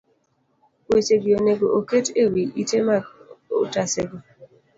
Wechegi onego oket e wi ite mag otasego